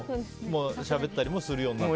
しゃべったりするようになって？